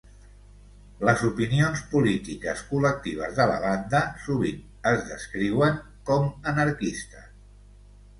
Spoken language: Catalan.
Les opinions polítiques col·lectives de la banda sovint es descriuen com anarquistes.